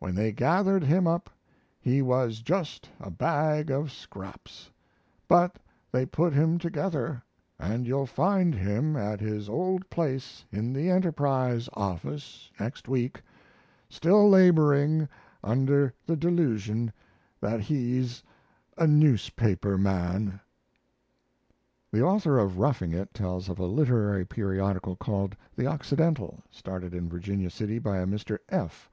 When they gathered him up he was just a bag of scraps, but they put him together, and you'll find him at his old place in the Enterprise office next week, still laboring under the delusion that he's a newspaper man. The author of 'Roughing It' tells of a literary periodical called the Occidental, started in Virginia City by a Mr. F.